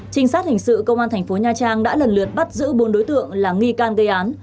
trinh sát hình sự công an thành phố nha trang đã lần lượt bắt giữ bốn đối tượng là nghi can gây án